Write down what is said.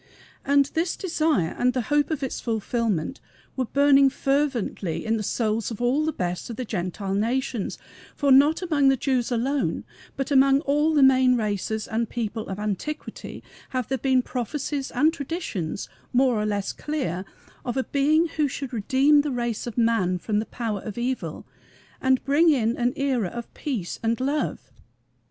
And this desire and the hope of its fulfillment were burning fervently in the souls of all the best of the Gentile nations; for not among the Jews alone, but among all the main races and peoples of antiquity, have there been prophecies and traditions more or less clear of a Being who should redeem the race of man from the power of evil and bring in an era of peace and love.